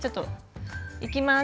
いきます。